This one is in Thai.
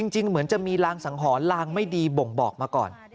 เหมือนจะมีรางสังหรณ์ลางไม่ดีบ่งบอกมาก่อน